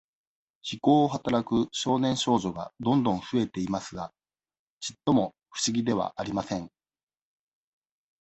非行をはたらく少年少女がどんどん増えていますが、ちっとも、不思議ではありません。